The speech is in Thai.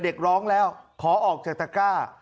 ร้องแล้วขอออกจากตะก้า